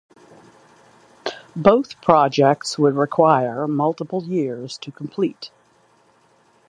Both projects would require multiple years to complete.